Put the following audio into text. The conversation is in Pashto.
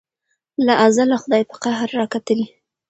له ازله خدای په قهر را کتلي